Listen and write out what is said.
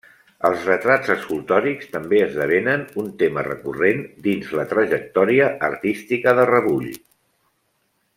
Els retrats escultòrics també esdevenen un tema recurrent dins la trajectòria artística de Rebull.